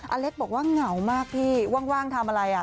อเล็กบอกว่าเหงามากพี่ว่างทำอะไร